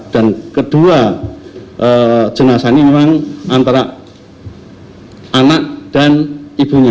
dan kedua jenazah ini memang antara anak dan ibunya